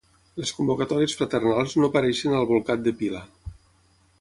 Les convocatòries fraternals no apareixen al bolcat de pila.